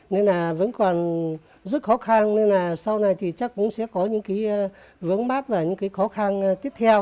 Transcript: nên là vẫn còn rất khó khăn nên là sau này thì chắc cũng sẽ có những cái vướng mát và những cái khó khăn tiếp theo